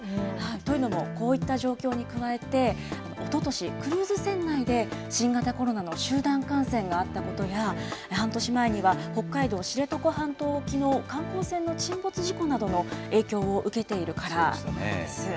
というのもこういった状況に加えて、おととし、クルーズ船内で新型コロナの集団感染があったことや、半年前には、北海道知床半島沖の観光船の沈没事故などの影響を受けているからなんです。